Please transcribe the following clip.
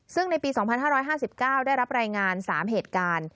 ซึ่งในปี๒๕๕๙ได้รับรายงาน๓เหตุการณ์